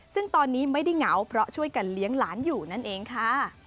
ซึ่งตอนนี้ไม่ได้เหงาเพราะช่วยกันเลี้ยงหลานอยู่นั่นเองค่ะ